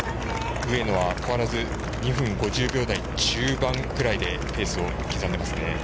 上野は変わらず２分５０秒台中盤でペースを刻んでますね。